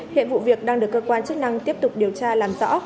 hiện vụ việc đang được cơ quan chức năng tiếp tục điều tra làm rõ